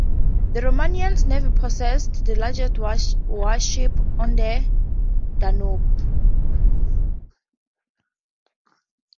The Romanian Navy possessed the largest warships on the Danube.